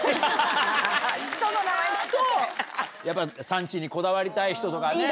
産地にこだわりたい人とかね。